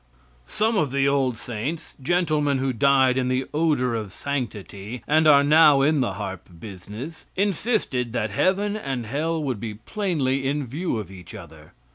Some of the old saints gentlemen who died in the odor of sanctity, and are now in the harp business insisted that heaven and hell would be plainly in view of each other.